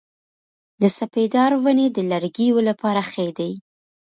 د سپیدار ونې د لرګیو لپاره ښې دي؟